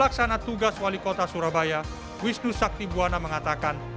laksana tugas wali kota surabaya wisnu saktibwana mengatakan